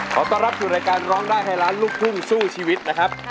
ขอต้อนรับสู่รายการร้องได้ให้ล้านลูกทุ่งสู้ชีวิตนะครับ